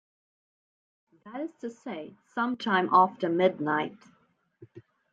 That is to say, some time after midnight.